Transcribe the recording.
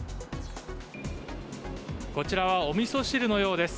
こちらはおみそ汁のようです。